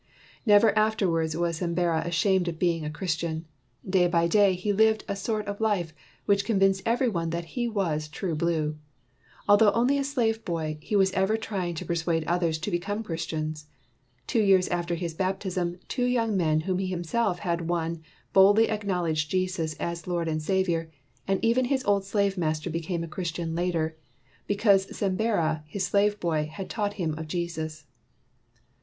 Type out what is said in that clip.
Never afterwards was Sembera ashamed of being a Christian. Day by day, he lived the sort of life which convinced every one that he was "true blue." Although only a slave boy, he was ever trying to persuade others to become Christians. Two years after his baptism two young men whom he himself had won boldly acknowledged Jesus as Lord and Saviour; and even his old slave master became a Christian later, be 155 WHITE MAN OF WORK cause Sembera his slave boy had taught him of Jesus.